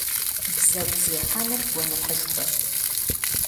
Бзэгу зехьэныр гуэныхьышхуэщ.